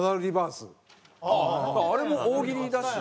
あれも大喜利だし。